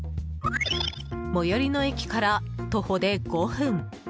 最寄りの駅から徒歩で５分。